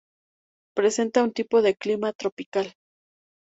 Presenta un tipo de clima tropical.